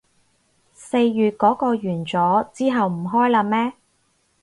四月嗰個完咗，之後唔開喇咩